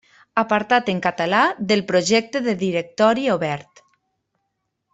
Apartat en català del Projecte de Directori Obert.